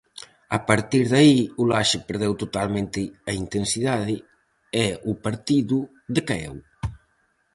A partir de aí o Laxe perdeu totalmente a intensidade e o partido decaeu.